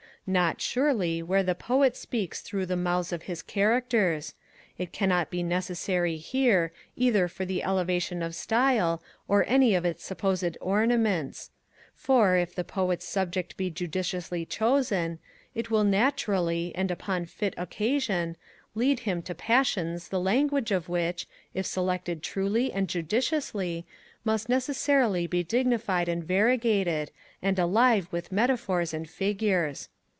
Not, surely, where the Poet speaks through the mouths of his characters: it cannot be necessary here, either for elevation of style, or any of its supposed ornaments: for, if the Poet's subject be judiciously chosen, it will naturally, and upon fit occasion, lead him to passions the language of which, if selected truly and judiciously, must necessarily be dignified and variegated, and alive with metaphors and figures.